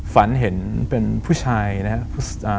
ฝันเห็นเป็นผู้ชายนะครับ